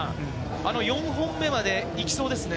４本目までいきそうですね。